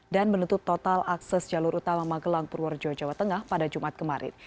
dan menentu total akses jalur utama magelang purworejo jawa tengah pada jumat kemarin